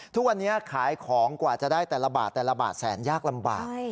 ทุกวันนี้ขายของกว่าจะได้แต่ละบาทแต่ละบาทแสนยากลำบาก